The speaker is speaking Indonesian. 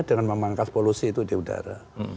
dengan memangkas polusi itu di udara